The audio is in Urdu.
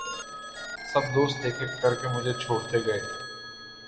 سب دوست ایک ایک کرکے مُجھے چھوڑتے گئے